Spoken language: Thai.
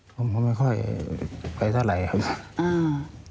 ผมก็ไม่ค่อยไปเท่าไหร่ครับ